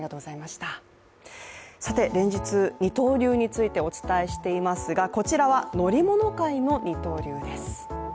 連日、二刀流についてお伝えしていますがこちらは乗り物界の二刀流です。